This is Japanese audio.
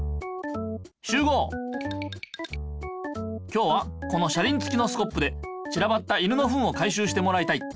今日はこの車りんつきのスコップでちらばった犬のフンを回しゅうしてもらいたい。